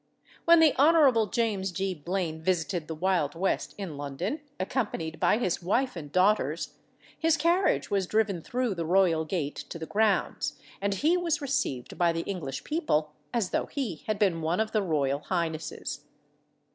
When the Hon. James G. Blaine visited the Wild West in London, accompanied by his wife and daughters, his carriage was driven through the royal gate to the grounds, and he was received by the English people as though he had been one of the royal highnesses.